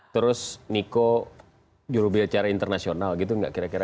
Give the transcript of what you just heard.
terus niko jurubicara internasional gitu nggak kira kira